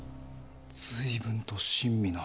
随分と親身な。